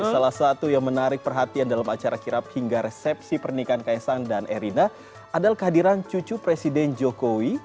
salah satu yang menarik perhatian dalam acara kirap hingga resepsi pernikahan kaisang dan erina adalah kehadiran cucu presiden jokowi